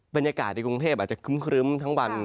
บรรยากาศในกรุงเทพอาจจะครึ้มทั้งวัน